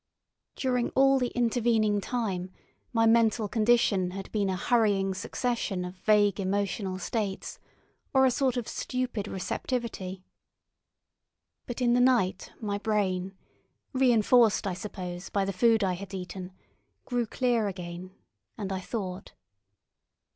During all the intervening time my mental condition had been a hurrying succession of vague emotional states or a sort of stupid receptivity. But in the night my brain, reinforced, I suppose, by the food I had eaten, grew clear again, and I thought.